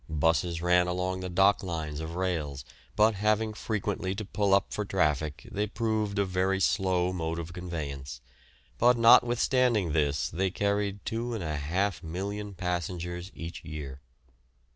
'Buses ran along the dock lines of rails, but having frequently to pull up for traffic they proved a very slow mode of conveyance, but notwithstanding this they carried 2,500,000 passengers each year.